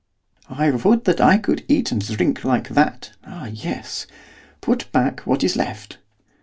'I would that I could eat and drink like that, ah yes! Put back what is left.